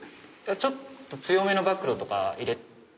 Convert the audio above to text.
ちょっと強めの暴露とか入れて。